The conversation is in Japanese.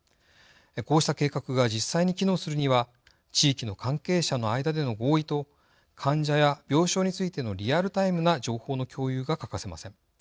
こうした計画が実際に機能するには地域の関係者の間での合意と患者や病床についてのリアルタイムな情報の共有が欠かせません。